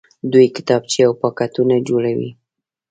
دوی کتابچې او پاکټونه جوړوي.